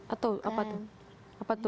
atau apa itu